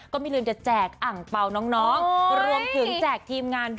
ก็ไม่ลืมจะแจกอ่างเป่าน้อง